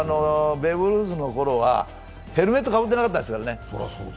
ベーブ・ルースのころはヘルメットかぶってなかったですからね。